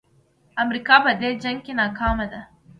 امریکا په دې جنګ کې ناکامه ده.